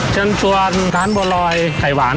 เชิญชวนทานบัวลอยไข่หวาน